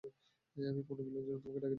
আমি পুনর্মিলনের জন্য তোকে ডাকিনি।